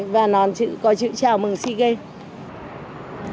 và nón có chữ chào mừng si game